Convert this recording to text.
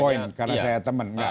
poin karena saya temen